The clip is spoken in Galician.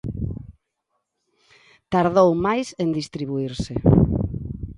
Tardou máis en distribuírse.